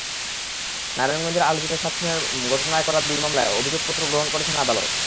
নারায়ণগঞ্জের আলোচিত সাত খুনের ঘটনায় করা দুই মামলার অভিযোগপত্র গ্রহণ করেছেন আদালত।